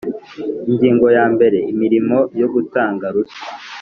Ingingo ya mbere Imirimo yo gutanga ruswa